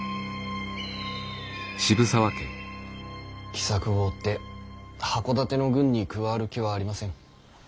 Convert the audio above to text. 喜作を追って箱館の軍に加わる気はありません。